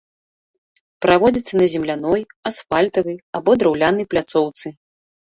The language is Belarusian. Праводзіцца на земляной, асфальтавай або драўлянай пляцоўцы.